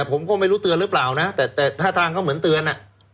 ผมก็ไม่รู้เตือนหรือเปล่านะแต่ท่าทางเขาเหมือนเตือน